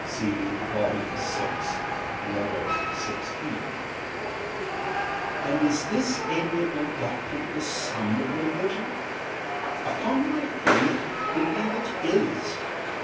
'See Vol. VI. Letter XVI. And is this amiable doctrine the sum of religion? Upon my faith, believe it is.